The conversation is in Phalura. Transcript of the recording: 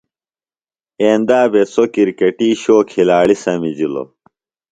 ایندا بھےۡ سوۡ کرکٹی شو کِھلاڑی سمِجِلوۡ۔